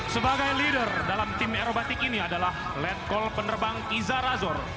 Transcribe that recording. sebagai leader dalam tim aerobatik ini adalah letkol penerbang iza razor